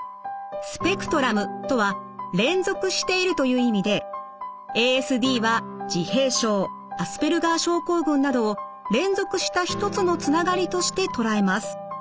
スペクトラムとは連続しているという意味でＡＳＤは自閉症アスペルガー症候群などを連続した一つのつながりとして捉えます。